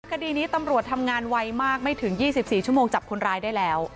คดีนี้ตำรวจทำงานไวมากไม่ถึง๒๔ชั่วโมงจับคนร้ายได้แล้ว